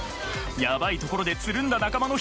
やばいところでつるんだ仲間の一人です